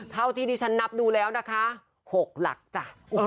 เท่าที่ดิฉันนับดูแล้วนะคะ๖หลักจ้ะ